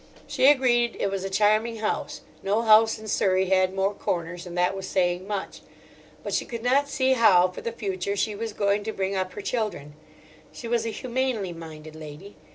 She agreed it was a charming house; no house in Surrey had more corners, and that was saying much. But she could not see how for the future she was going to bring up her children. She was a humanely minded lady.